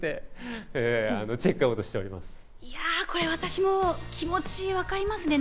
いや、これ私も気持ちわかりますね。